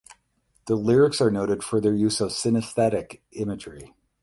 The lyrics are noted for their use of synesthetic imagery.